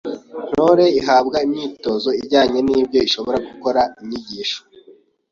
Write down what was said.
Ntore ihabwa imyitozo ijyanye n’ibyo ishobora gukora, inyigisho